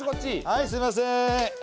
はいすみません。